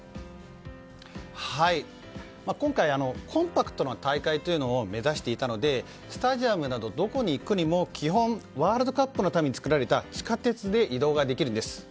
今回、コンパクトな大会を目指していたのでスタジアムなどどこに行くにも基本ワールドカップのために作られた地下鉄で移動ができるんです。